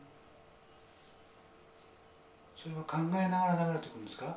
それは考えながら流れてくるんですか？